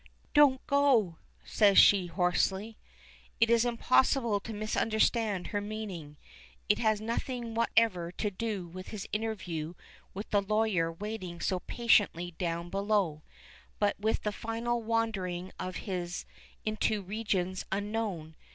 "Don't go," says she, hoarsely. It is impossible to misunderstand her meaning. It has nothing whatever to do with his interview with the lawyer waiting so patiently down below, but with that final wandering of his into regions unknown.